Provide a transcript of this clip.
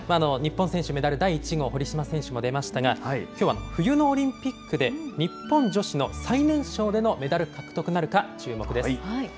日本選手、メダル第１号、堀島選手出ましたが、きょうは冬のオリンピックで、日本女子の最年少でのメダル獲得なるか、注目です。